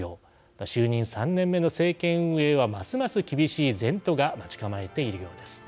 就任３年目の政権運営はますます厳しい前途が待ち構えているようです。